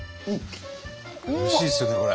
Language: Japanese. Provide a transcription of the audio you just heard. おいしいですよねこれ。